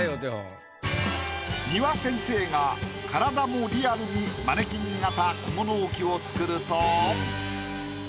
丹羽先生が体もリアルにマネキン型小物置きを作ると。